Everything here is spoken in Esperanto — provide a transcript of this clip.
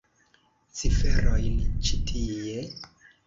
Ciferojn ĉi tie?